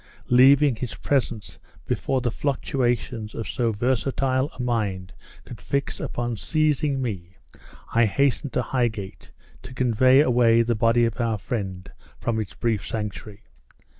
Leaving his presence before the fluctuations of so versatile a mind could fix upon seizing me, I hastened to Highgate, to convey away the body of our friend from its brief sanctuary.